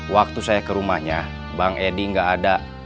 waktu saya ke rumahnya bang edi nggak ada